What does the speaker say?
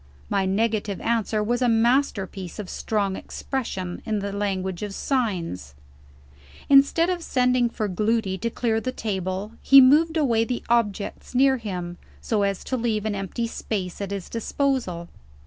My negative answer was a masterpiece of strong expression, in the language of signs. Instead of sending for Gloody to clear the table, he moved away the objects near him, so as to leave an empty space at his disposal.